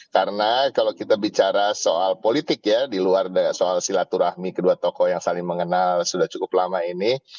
karena kalau kita bicara soal politik ya di luar soal silaturahmi kedua tokoh yang saling mengenal sudah cukup lama ini